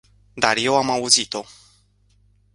Dar eu am auzit-o.